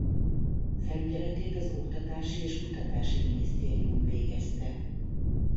Felügyeletét az Oktatási és Kutatási Minisztérium végezte.